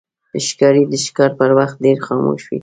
ښکاري د ښکار پر وخت ډېر خاموش وي.